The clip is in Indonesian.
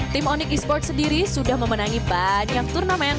tim onyx esports sendiri sudah memenangi banyak turnamen